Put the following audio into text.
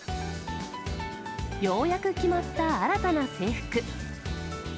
ようやく決まった新たな制服。